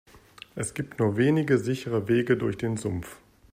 Es gibt nur wenige sichere Wege durch den Sumpf.